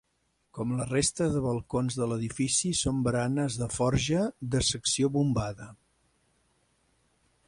Com la resta de balcons de l'edifici són baranes de forja de secció bombada.